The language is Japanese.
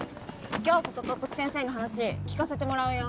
今日こそ特服先生の話聞かせてもらうよ。